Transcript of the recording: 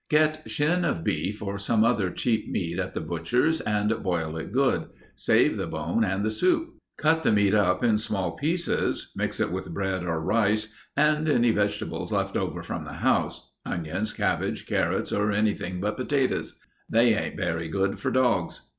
Get shin of beef or some other cheap meat at the butcher's and boil it good. Save the bone and the soup. Cut the meat up in small pieces, mix it with bread or rice and any vegetables left over from the house onions, cabbage, carrots, or anything but potatoes. They ain't very good for dogs.